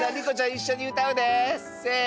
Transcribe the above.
一緒に歌うでせー